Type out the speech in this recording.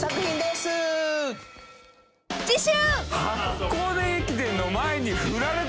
［次週］